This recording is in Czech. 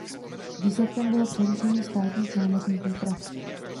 Výsledkem bylo přerušení státních námořních výprav.